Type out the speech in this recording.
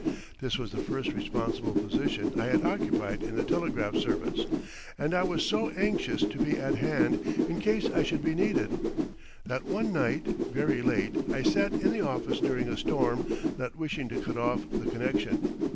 This was the first responsible position I had occupied in the telegraph service, and I was so anxious to be at hand in case I should be needed, that one night very late I sat in the office during a storm, not wishing to cut off the connection.